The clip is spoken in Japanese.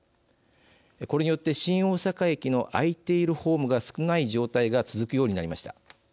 これによって新大阪駅の空いているホームが少ない状態が続くようになりました。